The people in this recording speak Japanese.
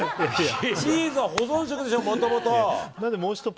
チーズは保存食でしょ、もともと。